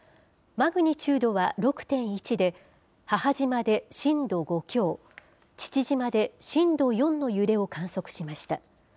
マグニチュードは６．１で、母島で震度５強、父島で震度４の揺れを観測しました。